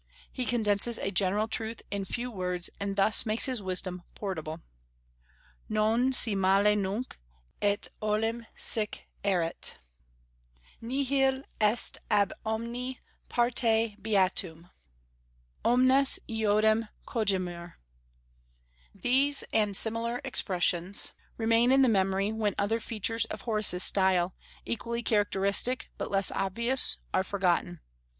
He condenses a general truth in a few words, and thus makes his wisdom portable. "Non, si male nunc, et olim sic erit;" "Nihil est ab omni parte beatum;" "Omnes eodem cogimur," these and similar expressions remain in the memory when other features of Horace's style, equally characteristic, but less obvious, are forgotten.